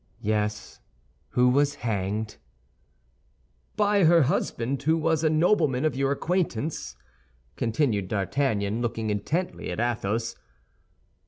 "Yes, who was hanged." "By her husband, who was a nobleman of your acquaintance," continued D'Artagnan, looking intently at Athos.